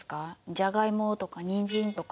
じゃがいもとかにんじんとか。